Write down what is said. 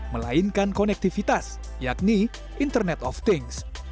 melainkan konektivitas yakni internet of things